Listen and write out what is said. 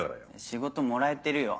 仕事もらえてるよ。